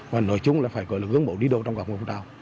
và nói chung là phải có lực dưỡng bổ đi đồ trong các cuộc trào